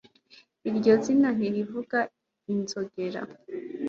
Iryo zina ntirivuga inzogera